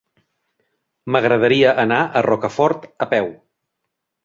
M'agradaria anar a Rocafort a peu.